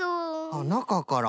ああなかから。